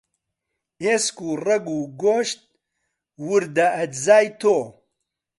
ئێسک و ڕەگ و گۆشت، وردە ئەجزای تۆ